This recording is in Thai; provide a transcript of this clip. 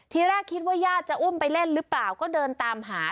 ทีแรกคิดว่าญาติจะอุ้มไปเล่นหรือเปล่าก็เดินตามหา